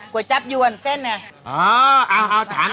จับยวนเส้นเนี่ย